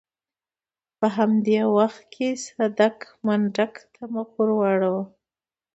په همدې وخت کې صدک منډک ته مخ واړاوه.